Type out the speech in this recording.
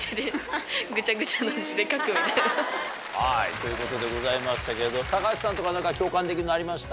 ということでございましたけど高橋さんとか何か共感できるのありました？